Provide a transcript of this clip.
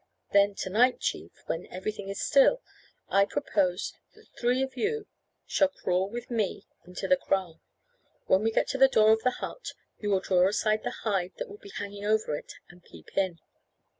Then, to night, chief, when everything is still, I propose that three of you shall crawl with me into the kraal. When we get to the door of the hut, you will draw aside the hide that will be hanging over it and peep in.